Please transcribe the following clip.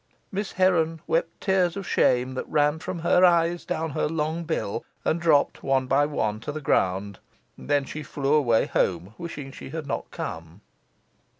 Miss Heron wept tears of shame, that ran from her eyes down her long bill and dropped one by one to the ground. Then she flew away home, wishing she had not come.